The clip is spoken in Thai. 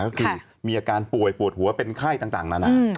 ก็คือมีอาการป่วยปวดหัวเป็นไข้ต่างนานา